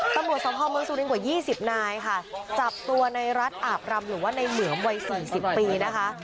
ตำรวจสมภาพเมืองสุรินกว่า๒๐นายค่ะจับตัวในรัฐอาบรำหรือว่าในเหมือมวัยสี่สิบปีนะคะ